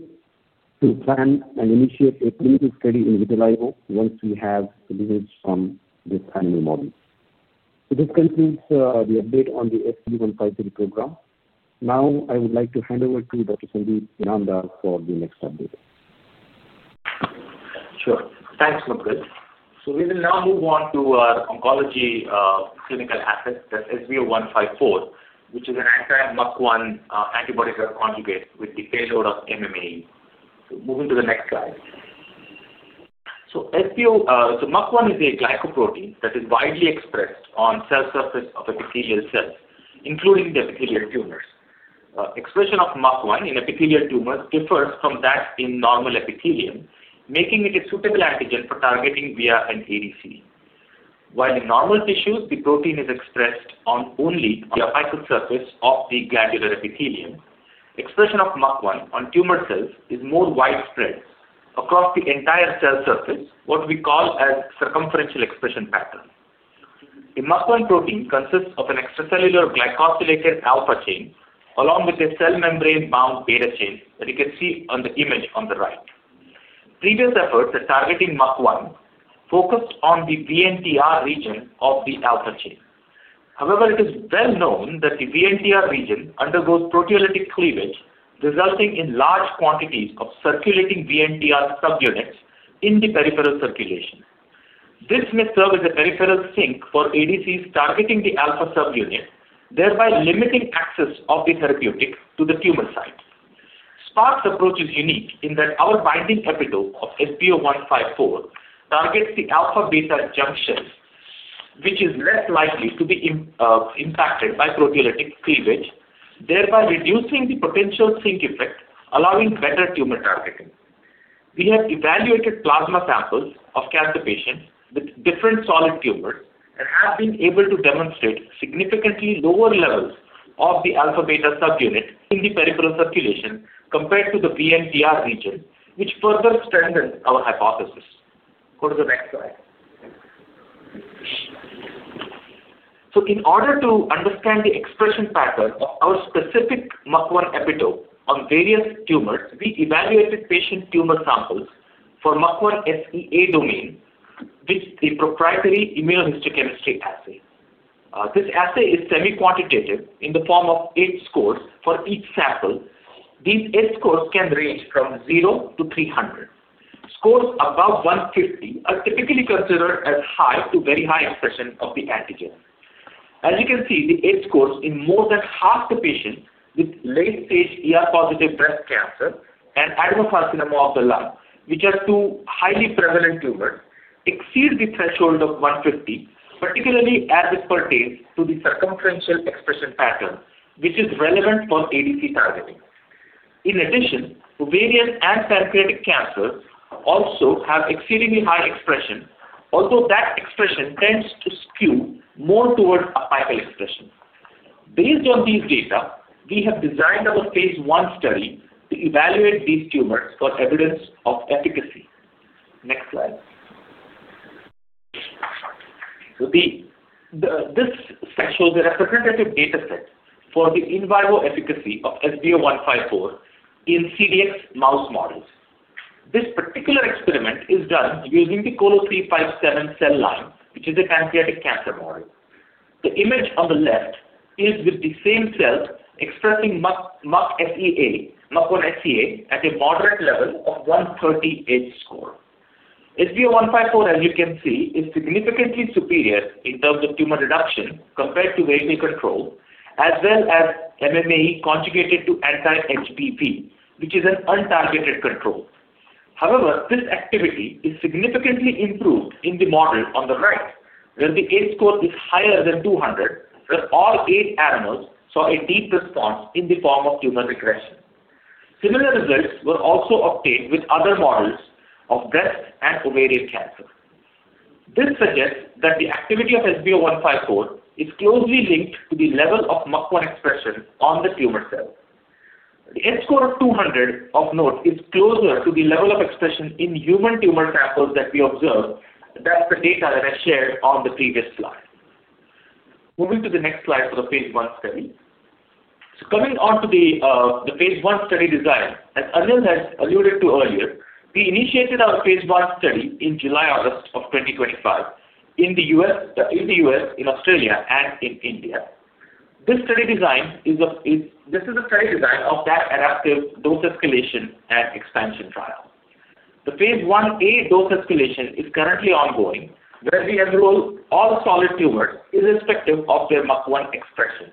Speaker 4: to plan and initiate a clinical study in vitiligo once we have results from this animal model. So this concludes the update on the SCD153 program. Now, I would like to hand over to Dr. Sandeep Inamdar for the next update.
Speaker 5: Sure. Thanks, Mudgal. So we will now move on to our oncology clinical asset, that's SVO154, which is an anti-MUC1 antibody drug conjugate with the payload of MMAE. So moving to the next slide. So MUC1 is a glycoprotein that is widely expressed on cell surface of epithelial cells, including the epithelial tumors. Expression of MUC1 in epithelial tumors differs from that in normal epithelium, making it a suitable antigen for targeting via an ADC. While in normal tissues, the protein is expressed only on the apical surface of the glandular epithelium, expression of MUC1 on tumor cells is more widespread across the entire cell surface, what we call a circumferential expression pattern. The MUC1 protein consists of an extracellular glycosylated alpha chain along with a cell membrane-bound beta chain that you can see on the image on the right. Previous efforts at targeting MUC1 focused on the VNTR region of the alpha chain. However, it is well known that the VNTR region undergoes proteolytic cleavage, resulting in large quantities of circulating VNTR subunits in the peripheral circulation. This may serve as a peripheral sink for ADCs targeting the alpha subunit, thereby limiting access of the therapeutic to the tumor site. SPARC's approach is unique in that our binding epitope of SVO154 targets the alpha-beta junctions, which is less likely to be impacted by proteolytic cleavage, thereby reducing the potential sink effect, allowing better tumor targeting. We have evaluated plasma samples of cancer patients with different solid tumors and have been able to demonstrate significantly lower levels of the alpha-beta subunit in the peripheral circulation compared to the VNTR region, which further strengthens our hypothesis. Go to the next slide. So in order to understand the expression pattern of our specific MUC1 epitope on various tumors, we evaluated patient tumor samples for MUC1 SEA domain with a proprietary immunohistochemistry assay. This assay is semi-quantitative in the form of H-scores for each sample. These H-scores can range from 0 to 300. Scores above 150 are typically considered as high to very high expression of the antigen. As you can see, the H-score in more than half the patients with late-stage ER-positive breast cancer and adenocarcinoma of the lung, which are two highly prevalent tumors, exceed the threshold of 150, particularly as it pertains to the circumferential expression pattern, which is relevant for ADC targeting. In addition, ovarian and pancreatic cancers also have exceedingly high expression, although that expression tends to skew more towards apical expression. Based on these data, we have designed our phase one study to evaluate these tumors for evidence of efficacy. Next slide. So this shows a representative data set for the in vivo efficacy of SVO154 in CDX mouse models. This particular experiment is done using the COLO357 cell line, which is a pancreatic cancer model. The image on the left is with the same cells expressing MUC1 SEA at a moderate level of 130 H-score. SVO154, as you can see, is significantly superior in terms of tumor reduction compared to vehicle control, as well as MMAE conjugated to anti-HBV, which is an untargeted control. However, this activity is significantly improved in the model on the right, where the H-score is higher than 200, where all eight animals saw a deep response in the form of tumor regression. Similar results were also obtained with other models of breast and ovarian cancer. This suggests that the activity of SVO154 is closely linked to the level of MUC1 expression on the tumor cell. The H-score of 200, of note, is closer to the level of expression in human tumor samples that we observed than the data that I shared on the previous slide. Moving to the next slide for the phase 1 study. Coming on to the phase 1 study design, as Anil has alluded to earlier, we initiated our phase 1 study in July-August of 2025 in the U.S., in Australia, and in India. This is a study design of that adaptive dose escalation and expansion trial. The phase 1A dose escalation is currently ongoing, where we enroll all solid tumors irrespective of their MUC1 expression.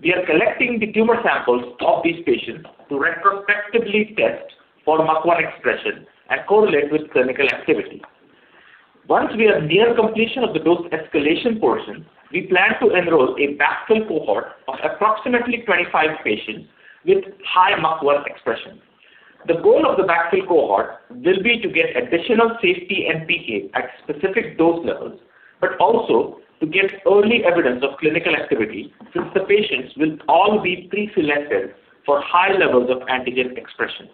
Speaker 5: We are collecting the tumor samples of these patients to retrospectively test for MUC1 expression and correlate with clinical activity. Once we are near completion of the dose escalation portion, we plan to enroll a backfill cohort of approximately 25 patients with high MUC1 expression. The goal of the backfill cohort will be to get additional safety and PK at specific dose levels, but also to get early evidence of clinical activity since the patients will all be pre-selected for high levels of antigen expression.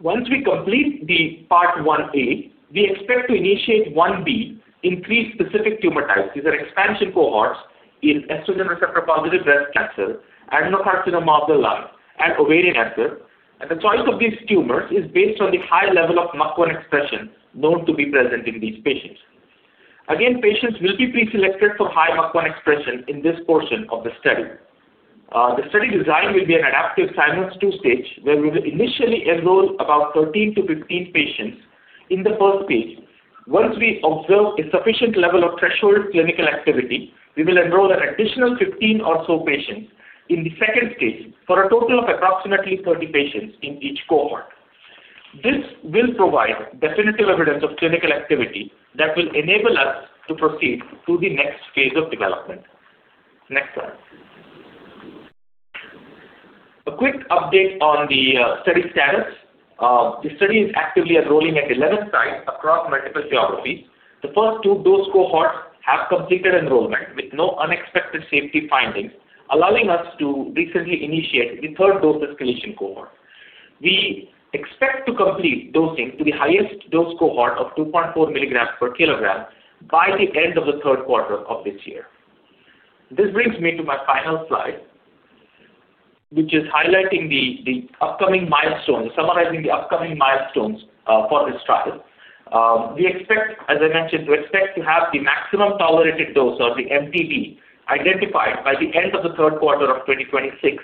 Speaker 5: Once we complete the Part 1A, we expect to initiate Part 1B in specific tumor types. These are expansion cohorts in estrogen receptor-positive breast cancer, adenocarcinoma of the lung, and ovarian cancer. And the choice of these tumors is based on the high level of MUC1 expression known to be present in these patients. Again, patients will be pre-selected for high MUC1 expression in this portion of the study. The study design will be an adaptive simultaneous two-stage, where we will initially enroll about 13-15 patients in the first stage. Once we observe a sufficient level of threshold clinical activity, we will enroll an additional 15 or so patients in the second stage for a total of approximately 30 patients in each cohort. This will provide definitive evidence of clinical activity that will enable us to proceed to the next phase of development. Next slide. A quick update on the study status. The study is actively enrolling at 11 sites across multiple geographies. The first two dose cohorts have completed enrollment with no unexpected safety findings, allowing us to recently initiate the third dose escalation cohort. We expect to complete dosing to the highest dose cohort of 2.4 milligrams per kilogram by the end of the Q3 of this year. This brings me to my final slide, which is highlighting the upcoming milestones, summarizing the upcoming milestones for this trial. We expect, as I mentioned, to expect to have the maximum tolerated dose, or the MTD, identified by the end of the Q3 of 2026,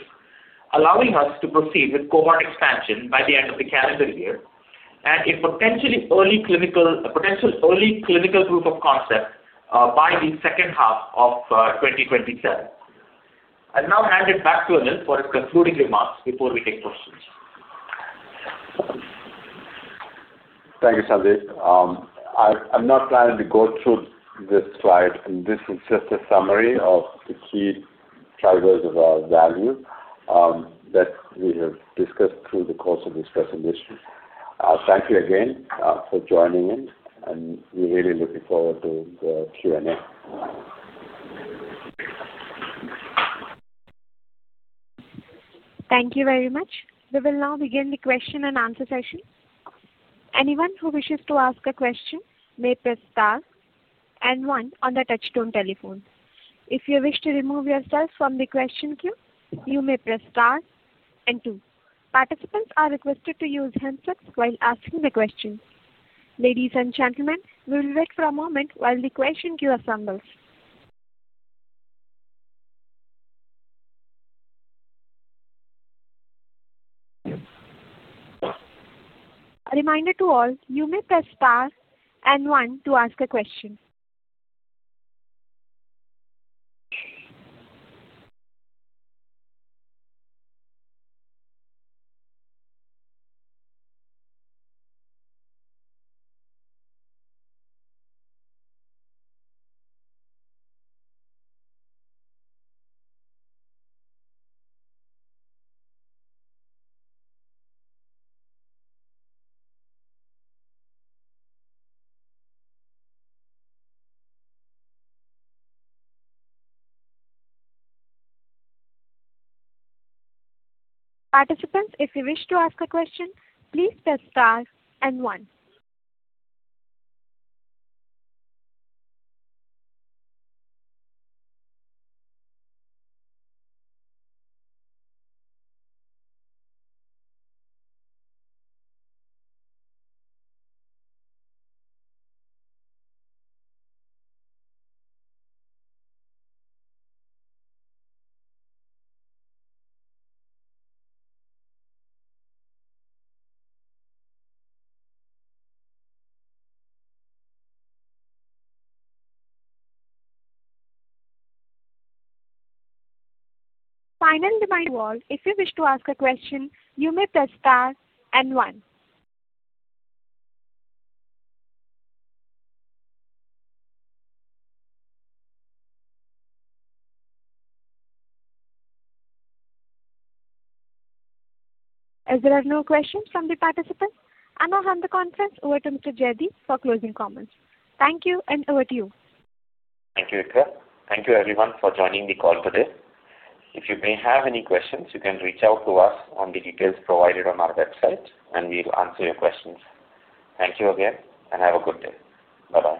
Speaker 5: allowing us to proceed with cohort expansion by the end of the calendar year and a potentially early clinical proof of concept by the second half of 2027. I'll now hand it back to Anil for his concluding remarks before we take questions.
Speaker 3: Thank you, Sandeep. I'm not planning to go through this slide, and this is just a summary of the key drivers of our value that we have discussed through the course of this presentation. Thank you again for joining in, and we're really looking forward to the Q&A. Thank you very much. We will now begin the question and answer session. Anyone who wishes to ask a question may press star and one on the touch-tone telephone.
Speaker 1: If you wish to remove yourself from the question queue, you may press star and two. Participants are requested to use handsets while asking the question. Ladies and gentlemen, we will wait for a moment while the question queue assembles. A reminder to all, you may press star and one to ask a question. Participants, if you wish to ask a question, please press star and one. Finally, at my end, if you wish to ask a question, you may press star and one. As there are no questions from the participants, I now hand the conference over to Mr. Jaydeep for closing comments. Thank you, and over to you.
Speaker 2: Thank you, Ikra. Thank you, everyone, for joining the call today. If you may have any questions, you can reach out to us on the details provided on our website, and we'll answer your questions. Thank you again, and have a good day. Bye-bye.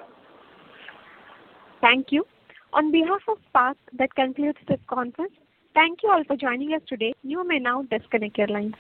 Speaker 2: Thank you. On behalf of SPARC, that concludes this conference. Thank you all for joining us today. You may now disconnect your lines.